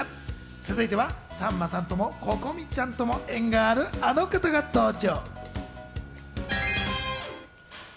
続いてはさんまさんともＣｏｃｏｍｉちゃんとも縁があるあの方が登場。